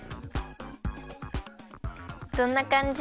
どんなかんじ？